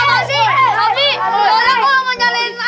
tapi kalau mau menyalurkan air jangan kencang kencang juga kali